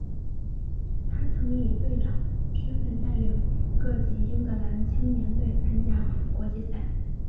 他曾以队长身份带领各级英格兰青年队参加国际赛。